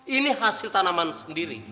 ini hasil tanaman sendiri